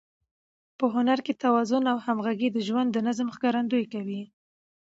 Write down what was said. په هنر کې توازن او همغږي د ژوند د نظم ښکارندويي کوي.